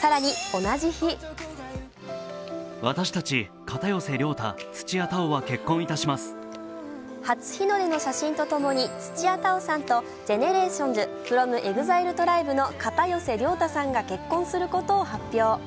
更に同じ日初日の出の写真とともに土屋太鳳さんとＧＥＮＥＲＡＴＩＯＮＳｆｒｏｍＥＸＩＬＥＴＲＩＢＥの片寄涼太さんが結婚することを発表。